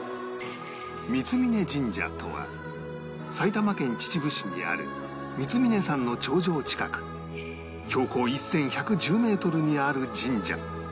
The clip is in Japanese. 三峯神社とは埼玉県秩父市にある三峰山の頂上近く標高１１１０メートルにある神社